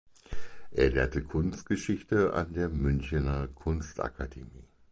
Er lehrte Kunstgeschichte an der Münchener Kunstakademie.